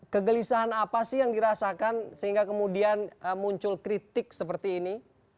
kegelisahan apa sih yang dirasakan sehingga kemudian muncul kritik seperti ini